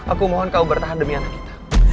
aku mohon kau bertahan demi anak kita